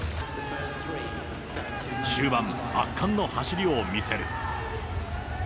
終盤、圧巻の走りを見せる。